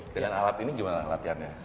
dengan alat ini gimana latihannya